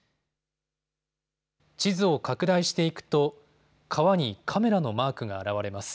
地図を拡大していくと川にカメラのマークが表れます。